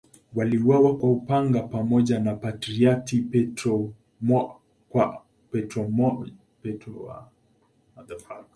Waliuawa kwa upanga pamoja na Patriarki Petro I wa Aleksandria.